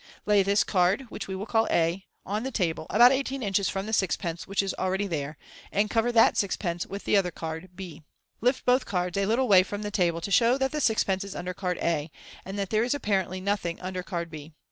Lay this card (which we will call a) on the table, about eighteen inches from the sixpence which is already there, and cover that sixpence with the other card, b. Lift both cards a little way from the table, to show that the sixpence is under card a, and that there is apparently nothing under card b.